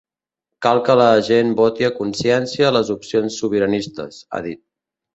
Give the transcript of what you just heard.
Cal que la gent voti a consciència les opcions sobiranistes, ha dit.